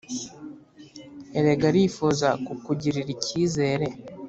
erega arifuza kukugirira icyizere